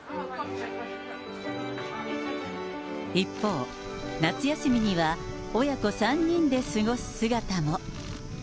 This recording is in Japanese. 一方、夏休みには親子３人で過ごす姿も。